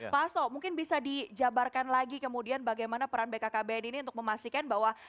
pak asto mungkin bisa dijabarkan lagi kemudian bagaimana peran bkkbn ini untuk memastikan bahwa